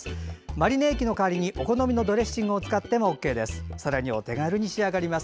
マリネ液の代わりにお好みのドレッシングを使ってもＯＫです。